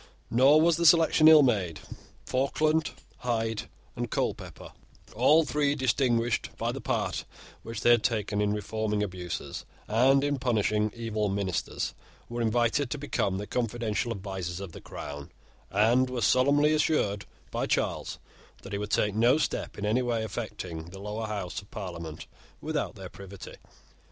Nor was the selection ill made. Falkland, Hyde, and Colepepper, all three distinguished by the part which they had taken in reforming abuses and in punishing evil ministers, were invited to become the confidential advisers of the Crown, and were solemnly assured by Charles that he would take no step in any way affecting the Lower House of Parliament without their privity.